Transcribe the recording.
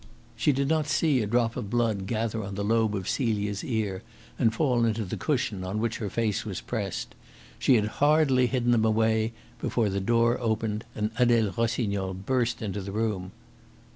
She did not see a drop of blood gather on the lobe of Celia's ear and fall into the cushion on which her face was pressed. She had hardly hidden them away before the door opened and Adele Rossignol burst into the room.